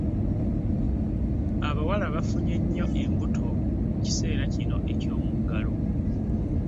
Abawala bafunye nnyo embuto mu kiseera kino eky'omuggalo